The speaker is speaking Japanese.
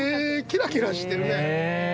キラキラしてるね。